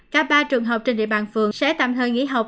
cả ba trường học trên địa bàn phường sẽ tạm hơi nghỉ học